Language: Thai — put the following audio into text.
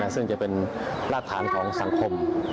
ซึ่งจะเป็นรากฐานของสังคม